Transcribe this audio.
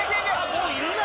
もういるな！